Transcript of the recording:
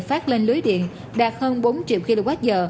phát lên lưới điện đạt hơn bốn triệu kwh